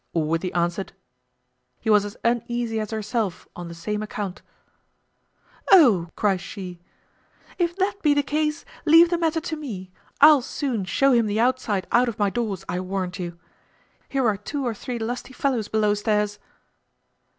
Allworthy answered, "He was as uneasy as herself on the same account." "Oh!" cries she, "if that be the case, leave the matter to me, I'll soon show him the outside out of my doors, I warrant you. Here are two or three lusty fellows below stairs."